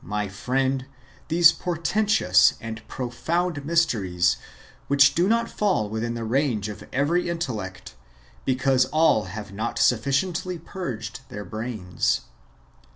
3 my friend, these portentous and profound mysteries, which do not fall within the range of every intellect, because all have not sufficiently purged^ their brains.